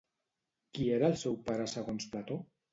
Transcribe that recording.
Qui era el seu pare segons Plató?